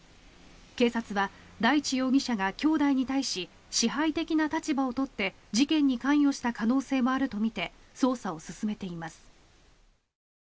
警察は、大地容疑者がきょうだいに対し支配的な立場を取って事件に関与した可能性もあるとみて捜査を進めています。